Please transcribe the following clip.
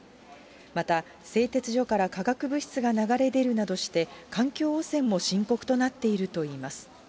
また、製鉄所から化学物質が流れ出るなどして、環境汚染も深刻となっているといいます。